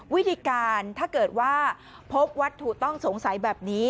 วิธีการถ้าเกิดว่าพบวัตถุต้องสงสัยแบบนี้